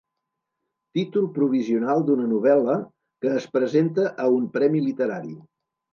Títol provisional d'una novel·la que es presenta a un premi literari.